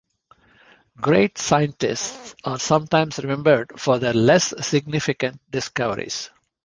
Great scientists are sometimes remembered for their less significant discoveries.